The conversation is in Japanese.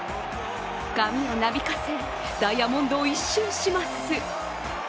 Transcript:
髪をなびかせ、ダイヤモンドを１周します。